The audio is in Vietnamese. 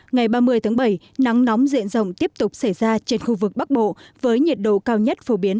ngày ba mươi tháng bảy nắng nóng diện rộng tiếp tục xảy ra trên khu vực bắc bộ với nhiệt độ cao nhất phổ biến